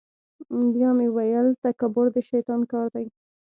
بیا مې ویل تکبر د شیطان کار دی.